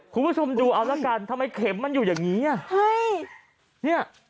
คุณผู้ชมดูเอาละกันทำไมเข็มมันอยู่อย่างนี้